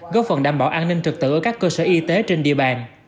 góp phần đảm bảo an ninh trực tự ở các cơ sở y tế trên địa bàn